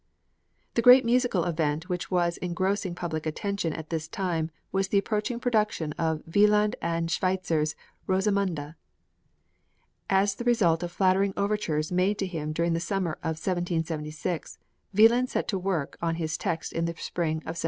The great musical event which was engrossing public attention at this time was the approaching production of Wieland and Schweitzer's "Rosamunde." As the result of flattering overtures made to him during the summer of 1776, Wieland set to work on his text in the spring of 1777.